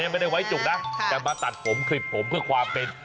ไม่ได้ไว้จุกนะแต่มาตัดผมคลิปผมเพื่อความเป็น